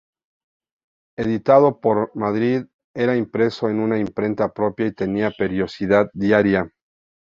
Editado en Madrid, era impreso en una imprenta propia y tenía periodicidad diaria.